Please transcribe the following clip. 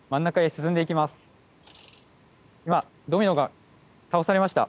今ドミノが倒されました。